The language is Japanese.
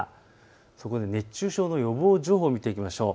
そこで熱中症の予防情報を見ていきましょう。